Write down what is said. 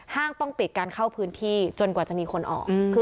ต้องปิดการเข้าพื้นที่จนกว่าจะมีคนออก